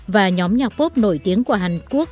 và nhóm nhạc pop nổi tiếng của hàn quốc